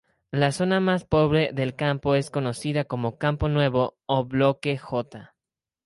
La zona más pobre del campo es conocida como "campo nuevo" o "Bloque J".